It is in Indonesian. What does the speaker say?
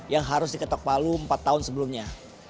yang harus diketok palu empat tahun sebelumnya